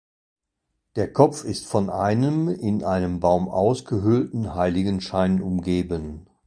Der Kopf ist von einem in einem Baum ausgehöhlten Heiligenschein umgeben.